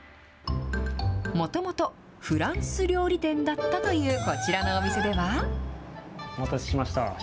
もともとフランス料理店だったというこちらのお店では。